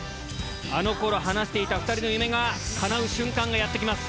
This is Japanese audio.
あの頃話していた２人の夢が叶う瞬間がやってきます。